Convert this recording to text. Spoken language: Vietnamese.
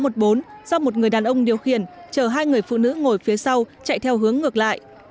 do một người đàn ông điều khiển chở hai người phụ nữ ngồi phía sau chạy theo hướng ngược lại